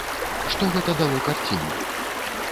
Што гэта дало карціне?